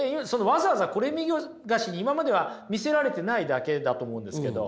わざわざこれ見よがしに今までは見せられてないだけだと思うんですけど。